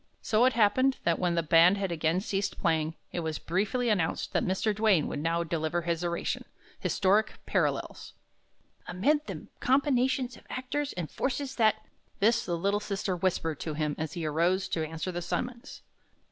So it happened that when the band had again ceased playing, it was briefly announced that Mr. Duane would now deliver his oration, "Historic Parallels." "'Amid the combinations of actors and forces that '" This the little sister whispered to him as he arose to answer the summons.